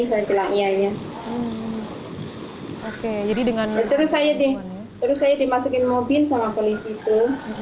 saya bilang iya oke jadi dengan motor saya sih terus saya dimasukin mobil sama polisi itu